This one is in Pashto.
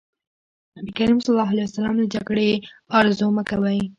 نبي کريم ص وفرمايل له جګړې ارزو مه کوئ.